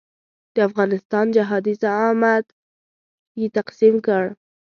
د افغانستان جهادي زعامت یې تقسیم کړ.